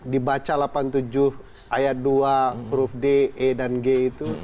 dibaca delapan puluh tujuh ayat dua huruf d e dan g itu